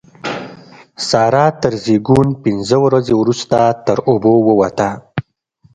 سارا تر زېږون پينځه ورځې روسته تر اوبو ووته.